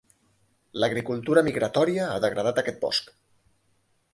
L'agricultura migratòria ha degradat aquest bosc.